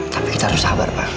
tapi kita harus sabar pak